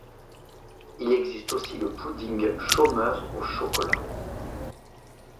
Il existe aussi le pouding chômeur au chocolat.